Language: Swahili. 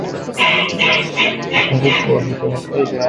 upungufu wa vitamini A iliyo ndani ya viazi lishe husababisha nimonia